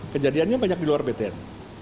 kejadiannya banyak di luar btn